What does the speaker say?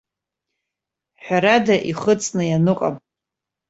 Ҳәарада, ихыҵны ианыҟам.